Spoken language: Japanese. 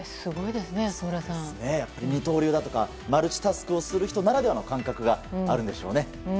二刀流だとかマルチタスクをする人ならではの感覚があるんでしょうね。